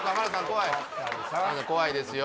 怖い怖いですよ